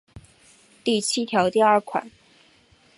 第七条第二款